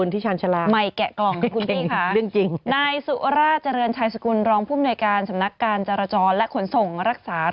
มีเหาะก็ติดอยู่เลยค่ะคุณที่ชาญชาลา